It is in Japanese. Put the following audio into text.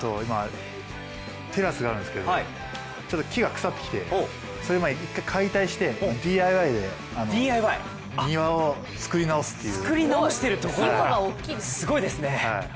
テラスがあるんですけど、ちょっと木が腐ってきてそれを１回解体して、ＤＩＹで庭を作り直すという。